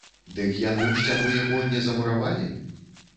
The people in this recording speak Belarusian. Дык яны ў сцяну яго не замуравалі?!